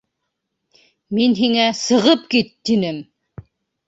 Мин һиңә, сығып кит, тинем!